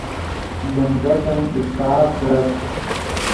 لیم گپن اتفاق کڑت